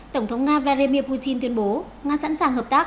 tổng thống nga vladimir putin tuyên bố nga sẵn sàng hợp tác